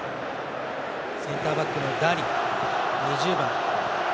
センターバックのダリ、２０番。